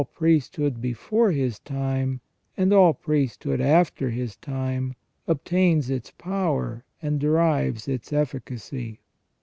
335 priesthood before His time and all priesthood after His time obtains its power and derives its efficacy.